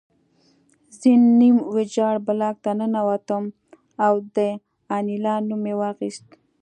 زه نیم ویجاړ بلاک ته ننوتم او د انیلا نوم مې واخیست